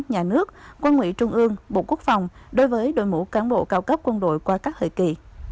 nhà nước quân ủy trung ương bộ quốc phòng đối với đội ngũ cán bộ cao cấp quân đội qua các thời kỳ